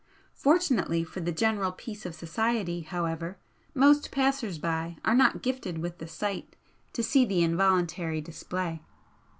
Fortunately for the general peace of society, however, most passers by are not gifted with the sight to see the involuntary display."